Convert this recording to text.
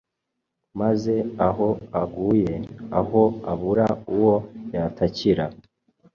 maze aho aguye aho abura uwo yatakira